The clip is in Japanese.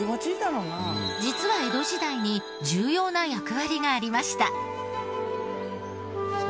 実は江戸時代に重要な役割がありました。